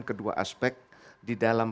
kedua aspek di dalam